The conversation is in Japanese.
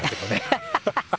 ハハハハハ。